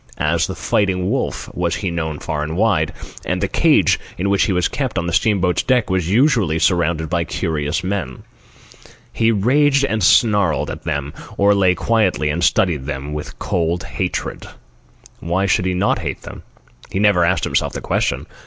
As "the Fighting Wolf" he was known far and wide, and the cage in which he was kept on the steam boat's deck was usually surrounded by curious men. He raged and snarled at them, or lay quietly and studied them with cold hatred. Why should he not hate them? He never asked himself the question.